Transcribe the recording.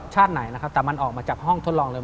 ไหนนะครับแต่มันออกมาจากห้องทดลองเลย